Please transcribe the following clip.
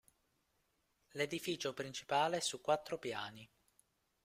L'edificio principale è su quattro piani.